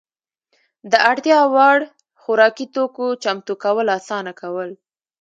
د اړتیا وړ خوراکي توکو چمتو کول اسانه کول.